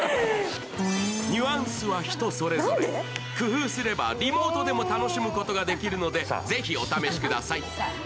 ニュアンスは人それぞれ、工夫すればリモートでも楽しむことができるので、ぜひ、お試しください。